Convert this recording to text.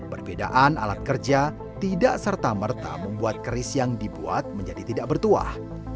perbedaan alat kerja tidak serta merta membuat keris yang dibuat menjadi tidak bertuah